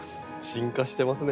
進化してますね。